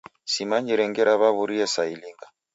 Simanyire ngera w'aw'urie saa ilinga.